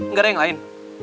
gak ada yang lain